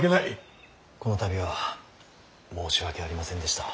この度は申し訳ありませんでした。